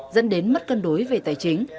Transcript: dẫn đến mất cân đối về tài chính